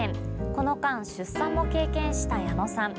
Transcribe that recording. この間、出産も経験した矢野さん。